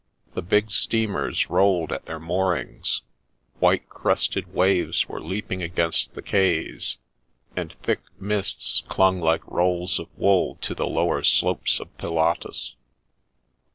The big steamers rolled at their moorings ; white crested waves were leaping against the quays, and thick mists clung like rolls of wool to the lower slopes of Pilatus.